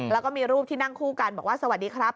แล้วก็มีรูปที่นั่งคู่กันบอกว่าสวัสดีครับ